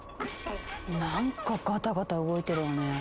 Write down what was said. なんかガタガタ動いてるわね。